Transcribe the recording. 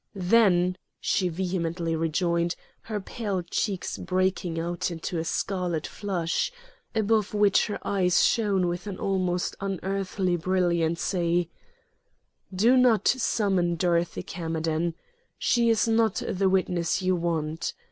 "Then," she vehemently rejoined, her pale cheeks breaking out into a scarlet flush, above which her eyes shone with an almost unearthly brilliancy, "do not summon Dorothy Camerden. She is not the witness you want.